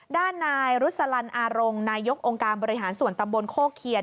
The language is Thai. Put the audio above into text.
ด้านนายรุษลันอารงนายกองค์การบริหารส่วนตำบลโคเคียน